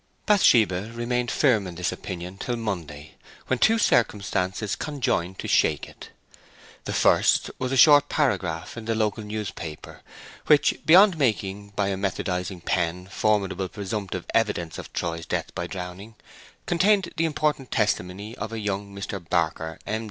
Bathsheba remained firm in this opinion till Monday, when two circumstances conjoined to shake it. The first was a short paragraph in the local newspaper, which, beyond making by a methodizing pen formidable presumptive evidence of Troy's death by drowning, contained the important testimony of a young Mr. Barker, M.